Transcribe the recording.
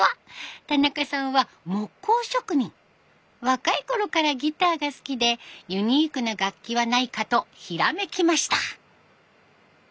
若いころからギターが好きでユニークな楽器はないかとひらめきました。